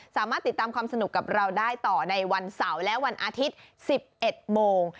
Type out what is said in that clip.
สามารถติดตามความสนุกกับเราได้ต่อในวันเสาร์และวันอาทิตย์๑๑โมง